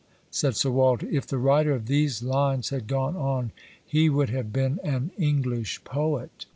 said Sir Walter, "if the writer of these lines had gone on, he would have been an English poet."